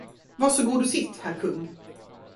Var så god och sitt, herr kung!